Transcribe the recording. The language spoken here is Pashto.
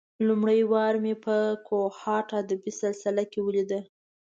لومړۍ وار مې په کوهاټ ادبي سلسله کې ولېده.